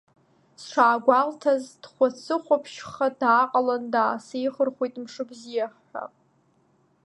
Сшаагәалҭаз, дхәацыхәаԥшьха дааҟалан, даасеихырхәеит мшыбзиа ҳәа.